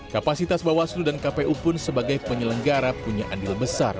kapasitas bawaslu dan kpu pun sebagai penyelenggara punya andil besar